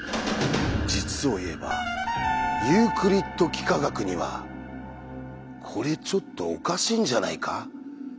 実を言えばユークリッド幾何学にはこれちょっとおかしいんじゃないか？という１つのうわさが